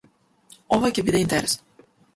Ова ќе биде интересно.